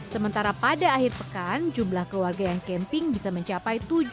sementara pada akhir pekan jumlah keluarga yang camping bisa mencapai tujuh puluh lima keluarga